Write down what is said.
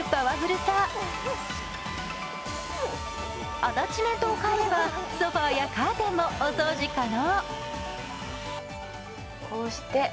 アタッチメントを変えればソファーやカーテンもお掃除可能。